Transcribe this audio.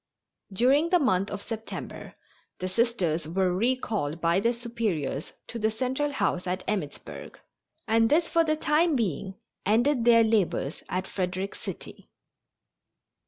During the month of September the Sisters were recalled by their Superiors to the Central House at Emmittsburg, and this for the time being ended their labors at Frederick City.